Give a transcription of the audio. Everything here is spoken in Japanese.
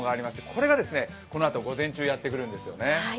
これが、このあと午前中にやってくるんですよね。